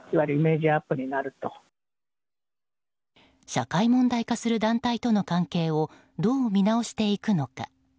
社会問題化する団体との関係をどう見直していくのか。